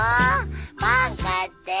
パン買ってねえ